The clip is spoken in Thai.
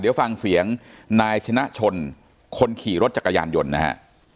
เดี๋ยวฟังเสียงนายชนะชนคนขี่รถจักรยานยนต์นะฮะ